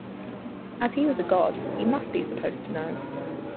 As he was a god, he must be supposed to know.